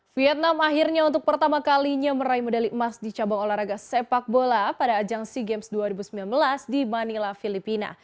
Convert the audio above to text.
vietnam akhirnya untuk pertama kalinya meraih medali emas di cabang olahraga sepak bola pada ajang sea games dua ribu sembilan belas di manila filipina